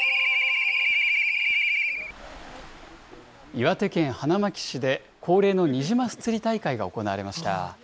岩手県花巻市で恒例のニジマス釣り大会が行われました。